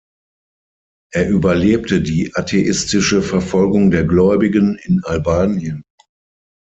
Er überlebte die atheistische Verfolgung der Gläubigen in Albanien.